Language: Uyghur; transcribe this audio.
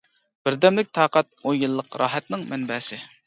بىردەملىك تاقەت ئون يىللىق راھەتنىڭ مەنبەسى!